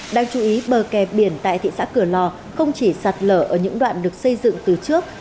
đáng chú ý bờ kè biển tại thị xã cửa lò không chỉ sạt lở ở những đoạn được xây dựng từ trước